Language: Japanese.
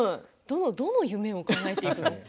どの夢をかなえていくの？って。